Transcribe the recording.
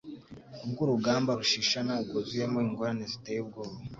ku bw'urugamba rushishana rwuzuyemo ingorane ziteye ubwoba,